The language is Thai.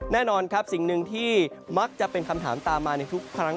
แน่นอนครับสิ่งหนึ่งที่มักจะเป็นคำถามตามมาในทุกครั้ง